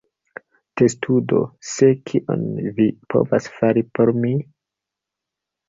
Testudo: "Sed, kion vi povas fari por mi?"